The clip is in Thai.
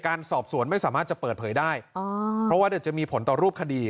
การสอบสวนไม่สามารถจะเปิดเผยได้อ๋อเพราะว่าเดี๋ยวจะมีผลต่อรูปคดี